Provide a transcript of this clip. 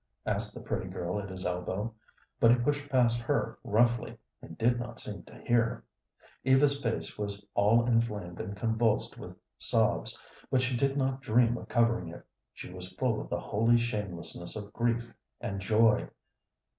asked the pretty girl at his elbow, but he pushed past her roughly, and did not seem to hear. Eva's face was all inflamed and convulsed with sobs, but she did not dream of covering it she was full of the holy shamelessness of grief and joy.